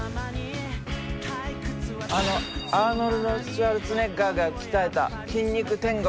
あのアーノルド・シュワルツェネッガーが鍛えた筋肉天国。